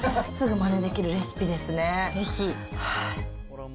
すぐまねでぜひ。